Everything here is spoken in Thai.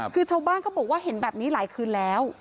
คือชาวบ้านเขาบอกว่าเห็นแบบนี้หลายคืนแล้ว